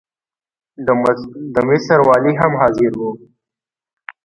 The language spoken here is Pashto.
د مصر والي هم حاضر وو.